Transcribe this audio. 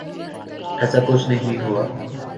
ایساکچھ نہیں ہوا۔